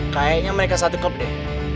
kayaknya mereka satu cop deh